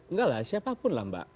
enggak lah siapapun lah mbak